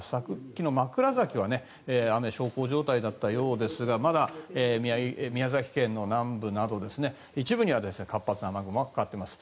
昨日、枕崎は雨、小康状態だったようですがまだ宮崎県の南部など一部には活発な雨雲がかかっています。